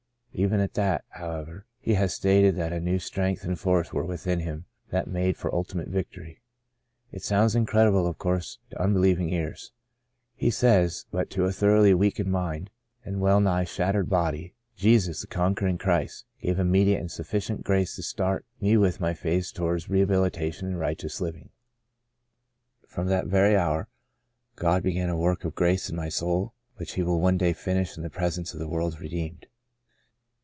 Even at that, however, he has stated that a new strength and force were within him that made for ultimate victory. It sounds in credible of course to unbelieving ears," he says, " but to a thoroughly weakened mind, and well nigh shattered body, Jesus, the con quering Christ, gave immediate and suf^cient grace to start me with my face towards re habilitation and righteous living. From that very hour God began a work of grace in my soul which He will one day finish in the presence of the world's redeemed.'